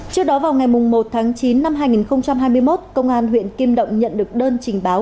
trước đó vào ngày một tháng chín năm hai nghìn hai mươi một công an huyện kim động nhận được đơn trình báo